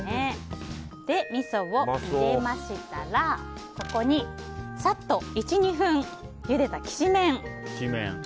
みそを入れましたらここにサッと１２分ゆでたきしめんを。